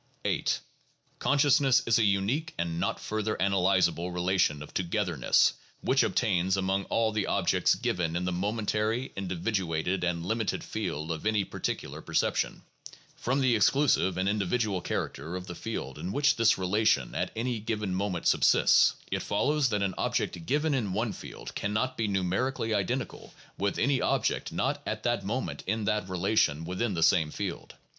(37.) 8. Consciousness is a unique and not further analyzable relation of "togetherness" which obtains among all the objects given in the momentary, individuated, and limited field of any particular per ception. (Cf. 17, 19, 20, 21.) From the exclusive and individual character of the field in which this relation at any given moment subsists, it follows that an object given in one field can not be nu merically identical with any object not at that moment in that rela tion within the same field.